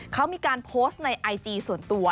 เขามีการโพสต์ในไอจีส่วนตัว